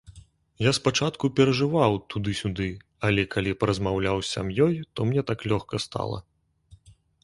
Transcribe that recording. Я спачатку перажываў, туды-сюды, але калі паразмаўляў з сям'ёй, то мне так лёгка стала.